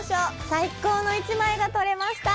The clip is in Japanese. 最高の１枚が撮れました！